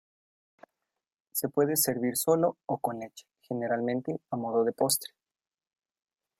Se puede servir solo o con leche, generalmente a modo de postre.